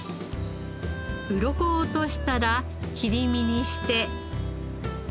ウロコを落としたら切り身にして。